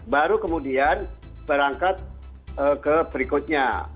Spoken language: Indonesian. baru kemudian berangkat ke berikutnya